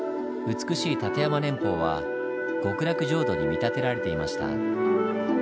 美しい立山連峰は極楽浄土に見立てられていました。